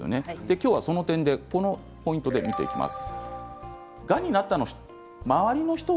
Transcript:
今日はその辺このポイントで見ていきます。